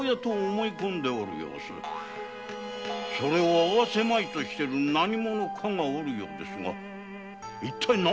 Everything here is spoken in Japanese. それを会わせまいとする何者かがおるようですが一体何のため？